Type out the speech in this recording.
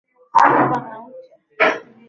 Hapo pana ucha.